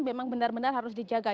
memang benar benar harus dijaga